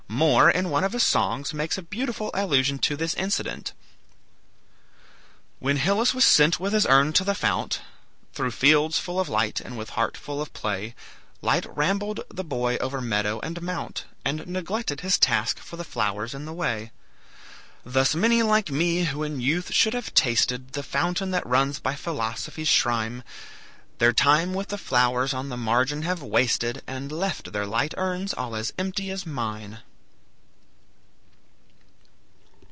Moore, in one of his songs, makes a beautiful allusion to this incident: "When Hylas was sent with his urn to the fount, Through fields full of light and with heart full of play, Light rambled the boy over meadow and mount, And neglected his task for the flowers in the way. "Thus many like me, who in youth should have tasted The fountain that runs by Philosophy's shrme, Their time with the flowers on the margin have wasted, And left their light urns all as empty as mine."